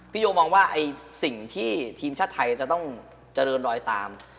โยมองว่าสิ่งที่ทีมชาติไทยจะต้องเจริญรอยตาม